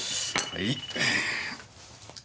はい。